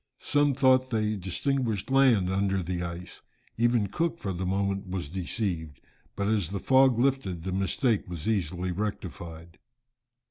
Some thought they distinguished land under the ice, even Cook for the moment was deceived, but as the fog lifted the mistake was easily rectified.